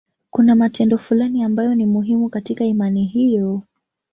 Kuna matendo fulani ambayo ni muhimu katika imani hiyo.